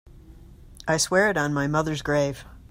I swear it on my mother's grave.